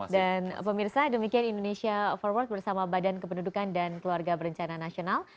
dan pemirsa demikian indonesia forward bersama badan kependudukan dan keluarga berencana nasional